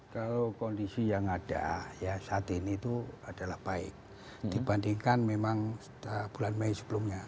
kalau kondisi yang ada saat ini itu adalah baik dibandingkan memang bulan mei sebelumnya